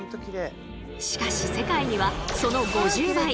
しかし世界にはその５０倍！